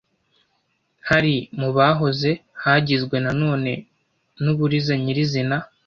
Hari mu hahoze hagizwe na none n’u Buliza nyir’izina